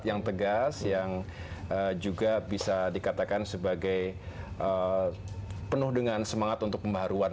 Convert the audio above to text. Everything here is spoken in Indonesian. yang tegas yang juga bisa dikatakan sebagai penuh dengan semangat untuk pembaharuan